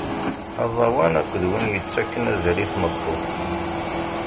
Aẓawan akked win yettakken azal i tmeṭṭut.